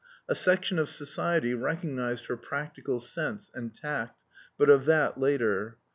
A section of society recognised her practical sense and tact... but of that later.